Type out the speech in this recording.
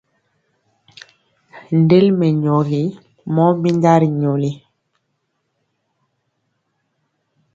Ndeli mɛnyɔgi mɔ minja ri nyoli.